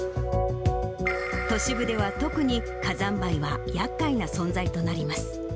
都市部では特に火山灰はやっかいな存在となります。